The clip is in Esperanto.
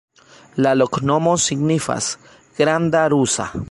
La loknomo signifas: granda rusa.